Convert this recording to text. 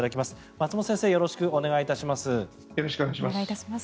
松本先生よろしくお願いします。